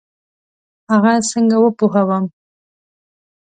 هغه څنګه وپوهوم؟